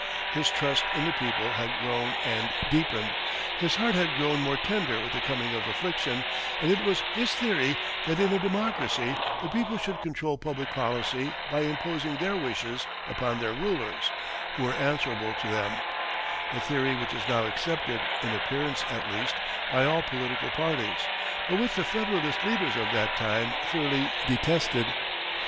His trust in the people had grown and deepened, his heart had grown more tender with the coming of affliction, and it was his theory that in a democracy, the people should control public policy by imposing their wishes upon their rulers, who were answerable to them a theory which is now accepted, in appearance, at least, by all political parties, but which the Federalist leaders of that time thoroughly detested.